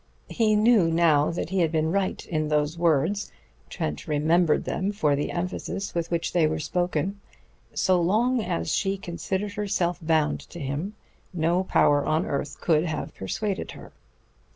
He knew now that he had been right in those words Trent remembered them for the emphasis with which they were spoken "So long as she considered herself bound to him ... no power on earth could have persuaded her."